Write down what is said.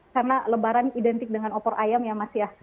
karena lebaran identik dengan opor ayam ya mas